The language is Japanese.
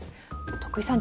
徳井さん